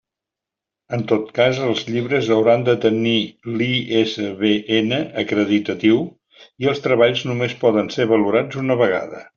En tot cas els llibres hauran de tenir l'ISBN acreditatiu, i els treballs només poden ser valorats una vegada.